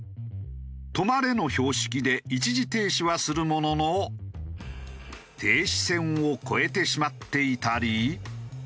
「止まれ」の標識で一時停止はするものの停止線を越えてしまっていたり。